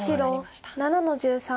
白７の十三。